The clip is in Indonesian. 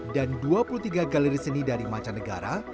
dan dua puluh tiga galeri seni dari macam negara